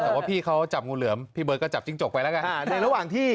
แต่พี่เขาจับงูเหลือมพี่เบิร์ดก็จับจิ๊งจกไปแล้วกัน